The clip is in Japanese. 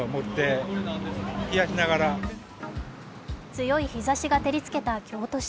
強い日ざしが照りつけた京都市。